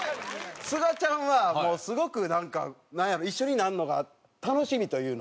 すがちゃんはすごくなんやろう一緒になるのが楽しみというの？